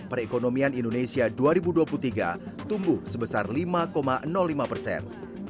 perekonomian indonesia dua ribu dua puluh tiga tumbuh sebesar lima lima persen